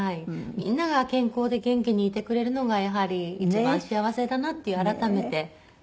みんなが健康で元気にいてくれるのがやはり一番幸せだなって改めて感じております。